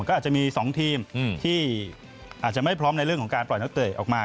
ก็อาจจะมี๒ทีมที่อาจจะไม่พร้อมในเรื่องของการปล่อยนักเตะออกมา